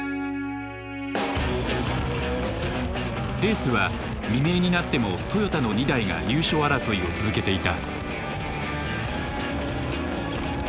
レースは未明になってもトヨタの２台が優勝争いを続けていた。